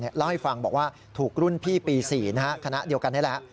เล่าให้ฟังบอกว่าถูกรุ่นพี่ปี๔คณะเดียวกันนี่แหละ